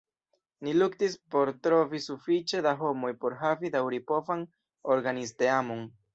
Ni luktis por trovi sufiĉe da homoj por havi daŭripovan organizteamon.